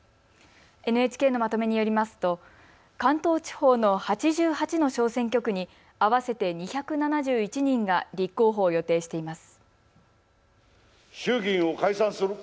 ＮＨＫのまとめによりますと関東地方の８８の小選挙区に合わせて２７１人が立候補を予定しています。